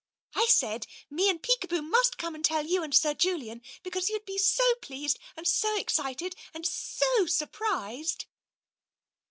" I said, * Me and Peekaboo must come and tell you and Sir Julian, because you*d be so pleased and so excited, and so surprised